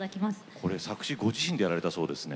これ作詞ご自身でやられたそうですね。